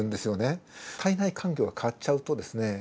体内環境が変わっちゃうとですね